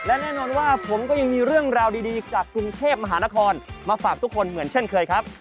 และแน่นอนว่าผมก็ยังมีเรื่องราวดีจากกรุงเทพมหานครมาฝากทุกคนเหมือนเช่นเคยครับ